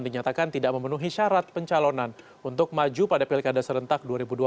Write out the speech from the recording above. dinyatakan tidak memenuhi syarat pencalonan untuk maju pada pilkada serentak dua ribu dua puluh